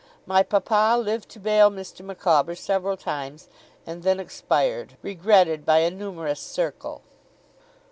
My papa lived to bail Mr. Micawber several times, and then expired, regretted by a numerous circle.